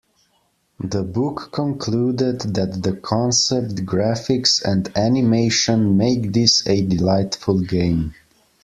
The book concluded that "the concept, graphics, and animation make this a delightful game".